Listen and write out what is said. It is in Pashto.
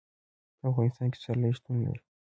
په افغانستان کې پسرلی شتون لري.